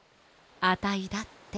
あたいだって。